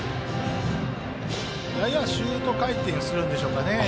ややシュート回転するんでしょうか。